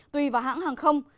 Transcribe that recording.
tùy vào hãng hàng không